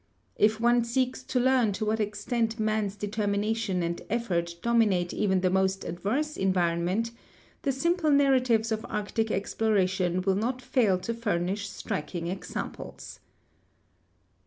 If one seeks to learn to what ex tent man's determination and effort dominate even the most adverse environment, the simple narratives of Arctic exploration will not fail to furnish striking examples.